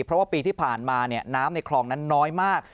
เพราะว่าปีที่ผ่านมาน้ำในคลองนั้นน้อยมาก